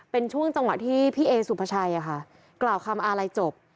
เป็นช่วงจังหวะที่พี่เอสุภาชัยกล่าวคำอาลัยจบ